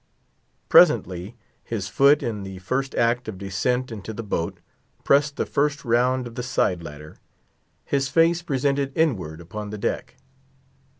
Presently, his foot, in the first act of descent into the boat, pressed the first round of the side ladder, his face presented inward upon the deck.